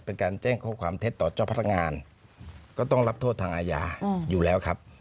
เป็นการแจ้งข้อความเท็จต่อเจ้าพนักงานก็ต้องรับโทษทางอาญาอยู่แล้วครับ